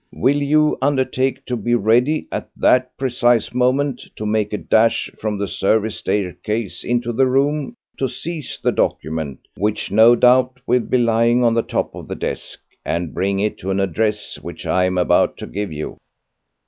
Will you undertake to be ready at that precise moment to make a dash from the service staircase into the room to seize the document, which no doubt will be lying on the top of the desk, and bring it to an address which I am about to give you?"